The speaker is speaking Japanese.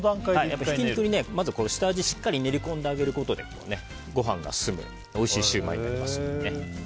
ひき肉に下味をしっかり練り込んであげることでご飯が進むおいしいシューマイになります。